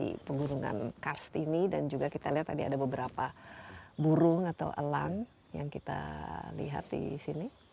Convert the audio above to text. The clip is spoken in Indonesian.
di pegunungan kars ini dan juga kita lihat tadi ada beberapa burung atau elang yang kita lihat di sini